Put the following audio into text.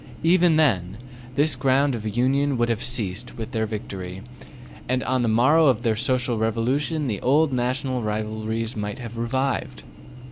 Even then, this ground of union would have ceased with their victory, and on the morrow of the social revolution the old national rivalries might have revived.